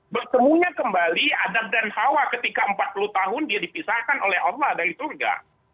bertemunya kembali adab dan hawa ketika empat puluh tahun dia dipisahkan oleh allah dari surga